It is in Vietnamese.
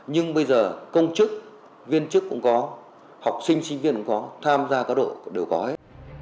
nhưng bây giờ công chức viên chức cũng có học sinh sinh viên cũng có tham gia các đội đều có hết